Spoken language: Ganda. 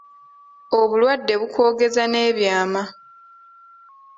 Obulwadde bukwogeza n’ebyama.